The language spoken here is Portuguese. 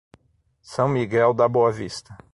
São Miguel da Boa Vista